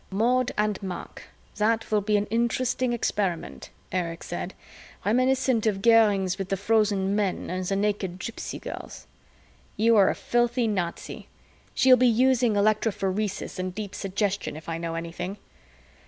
"Maud and Mark, that will be an interesting experiment," Erich said. "Reminiscent of Goering's with the frozen men and the naked gypsy girls." "You are a filthy Nazi. She'll be using electrophoresis and deep suggestion, if I know anything."